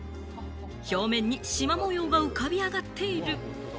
表面に縞模様が浮かび上がっている。